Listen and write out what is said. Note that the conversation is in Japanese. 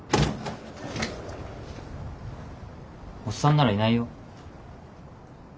おっさんならいないよ。